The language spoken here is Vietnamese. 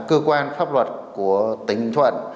cơ quan pháp luật của tỉnh thuận